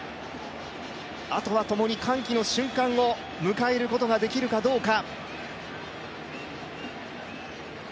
あとはともに歓喜の瞬間を迎えることができるかどうか。